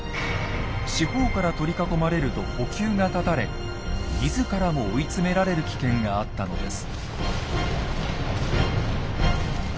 四方から取り囲まれると補給が絶たれ自らも追い詰められる危険があったのです。